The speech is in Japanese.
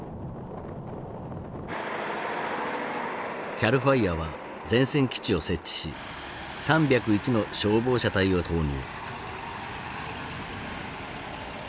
ＣＡＬＦＩＲＥは前線基地を設置し３０１の消防車隊を投入。